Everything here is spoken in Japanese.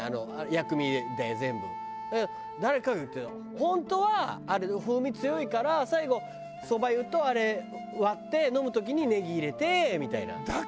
本当はあれ風味強いから最後そば湯とあれを割って飲む時にネギ入れてみたいな。